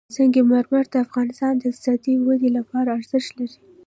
سنگ مرمر د افغانستان د اقتصادي ودې لپاره ارزښت لري.